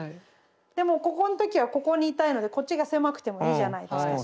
でもここの時はここにいたいのでこっちが狭くてもいいじゃないですか。